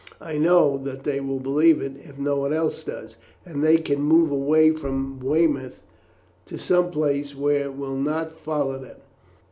I know that they will believe it if no one else does, and they can move away from Weymouth to some place where it will not follow them.